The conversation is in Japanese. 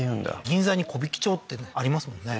銀座に木挽町ってのありますもんね